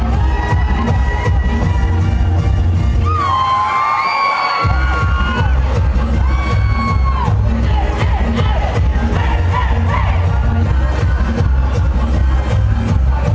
ว้าวว้าวว้าวว้าวว้าวว้าวว้าวว้าวว้าวว้าวว้าวว้าว